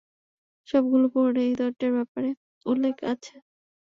সবগুলো পুরাণে এই দরজার ব্যাপারে উল্লেখ আছে।